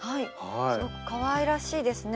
すごくかわいらしいですね。